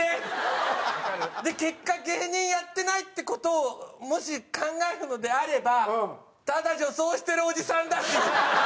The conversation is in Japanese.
で結果芸人やってないって事をもし考えるのであればただ女装してるおじさんだし。